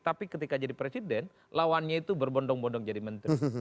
tapi ketika jadi presiden lawannya itu berbondong bondong jadi menteri